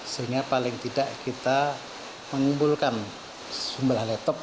sehingga paling tidak kita mengumpulkan sumber laptop